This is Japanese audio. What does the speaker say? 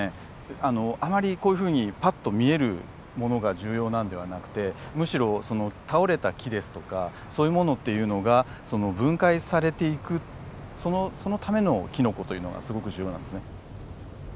あのあまりこういうふうにパッと見えるものが重要なんではなくてむしろ倒れた木ですとかそういうものっていうのが分解されていくそのためのキノコというのがすごく重要なんですね。